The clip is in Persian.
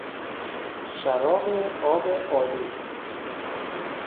شراب آب آلو